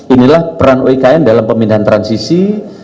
inilah peran uikn dalam pemindahan transisi